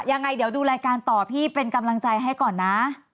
ยังไงเดี๋ยวดูรายการต่อพี่เป็นกำลังใจให้ก่อนนะ